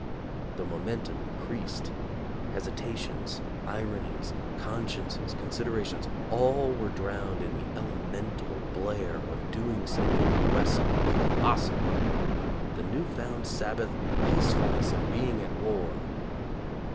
The momentum increased. Hesi tations, ironies, consciences, considerations, — all were drowned in the elemental blare of doing something aggressive, colossal. The new found Sabbath "peacefulness of being at war"